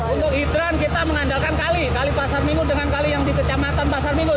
untuk hidran kita mengandalkan kali kali pasar minggu dengan kali yang di kecamatan pasar minggu